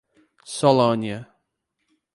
Solânea